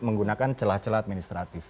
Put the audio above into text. menggunakan celah celah administratif